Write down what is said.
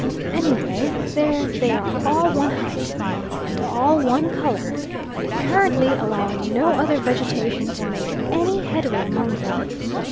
Anyhow, there they are all one height, and all one colour, and apparently allowing no other vegetation to make any headway among them.